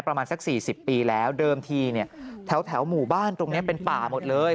ประมาณสัก๔๐ปีแล้วเดิมทีเนี่ยแถวหมู่บ้านตรงนี้เป็นป่าหมดเลย